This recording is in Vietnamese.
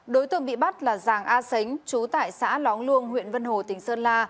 đối tượng bị bắt là giàng a sánh chú tại xã lóng luông huyện vân hồ tỉnh sơn la